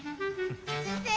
先生！